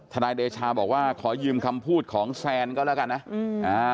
นายเดชาบอกว่าขอยืมคำพูดของแซนก็แล้วกันนะอืมอ่า